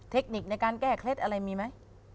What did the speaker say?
เทคนิคในการแก้เคล็ดอะไรมีไหม